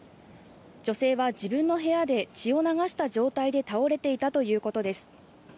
女性は自分の部屋で血を流した状態で倒れていたということです。